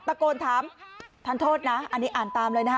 ตะโกนถามทานโทษนะอันนี้อ่านตามเลยนะฮะ